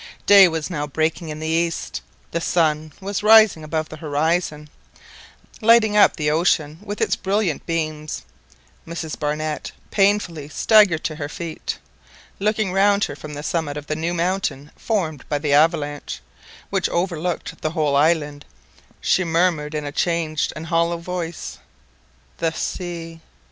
Day was now breaking in the east, the sun was rising above the horizon, lighting up the ocean with its brilliant beams, and Mrs Barnett painfully staggered to her feet. Looking round her from the summit of the new mountain formed by the avalanche, which overlooked the whole island, she murmured in a changed and hollow voice—— "The sea!